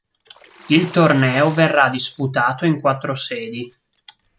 Il torneo verrà disputato in quattro sedi.